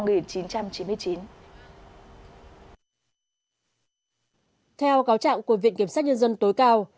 theo cáo trạng của viện kiểm sát nhân dân tối cao